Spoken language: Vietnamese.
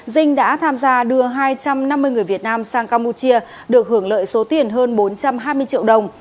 dinh đã tham gia đưa hai trăm năm mươi người việt nam sang campuchia được hưởng lợi số tiền hơn bốn trăm hai mươi triệu đồng